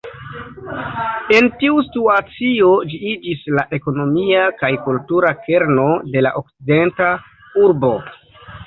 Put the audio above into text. En tiu situacio ĝi iĝis la ekonomia kaj kultura kerno de la okcidenta urbo.